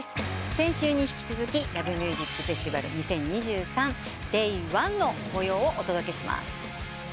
先週に引き続き「ＬＯＶＥＭＵＳＩＣＦＥＳＴＩＶＡＬ２０２３」ＤＡＹ１の模様をお届けします。